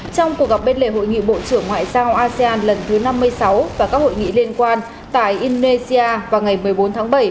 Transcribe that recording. trong cuộc gặp bên lề hội nghị bộ trưởng ngoại giao asean lần thứ năm mươi sáu và các hội nghị liên quan tại indonesia vào ngày một mươi bốn tháng bảy